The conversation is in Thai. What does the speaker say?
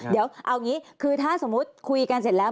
เดี๋ยวเอางี้คือถ้าสมมุติคุยกันเสร็จแล้ว